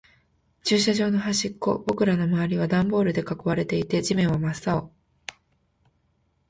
駐車場の端っこ。僕らの周りはダンボールで囲われていて、地面は真っ青。